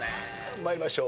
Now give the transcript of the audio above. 参りましょう。